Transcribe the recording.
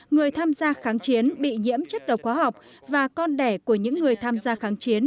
người tham gia kháng chiến bị nhiễm chất độc hóa học và con đẻ của những người tham gia kháng chiến